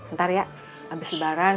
ntar ya abis jubaran